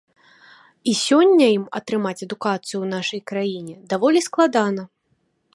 І сёння ім атрымаць адукацыю у нашай краіне даволі складана.